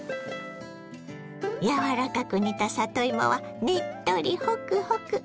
柔らかく煮た里芋はねっとりホクホク。